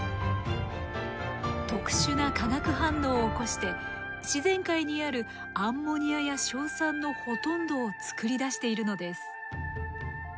特殊な化学反応を起こして自然界にあるアンモニアや硝酸のほとんどを作り出しているのです。